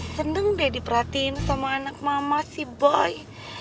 seneng deh diperhatiin sama anak ma sih boy